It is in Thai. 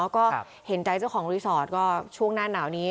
ก็เห็นใจเจ้าของรีสอร์ทก็ช่วงหน้าหนาวนี้